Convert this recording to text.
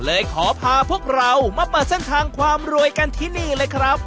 เลยขอพาพวกเรามาเปิดเส้นทางความรวยกันที่นี่เลยครับ